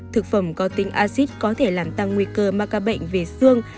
thực phẩm có tính acid có thể làm tăng nguy cơ mà ca bệnh về xương